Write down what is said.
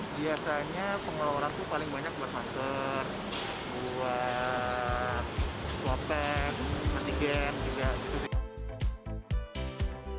jadi biasanya pengeluaran tuh paling banyak buat masker buat suapeng antiken juga